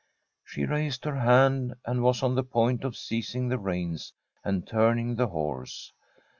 She raised her hand, and was on the point of seizing the reins and turning the horse.